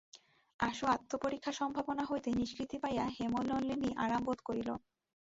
আশু আত্মপরীক্ষাসম্ভাবনা হইতে নিষ্কৃতি পাইয়া হেমনলিনী আরাম বোধ করিল।